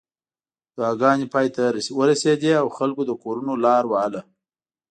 دعاګانې پای ته ورسېدې او خلکو د کورونو لار وهله.